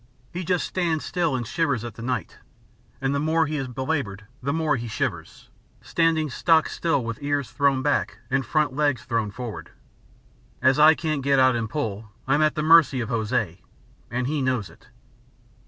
He just stands still and shivers at the night, and the more he is belaboured the more he shivers, standing stock still with ears thrown back and front legs thrown forward. As I can't get out and pull, I'm at the mercy of Hosea. And he knows it.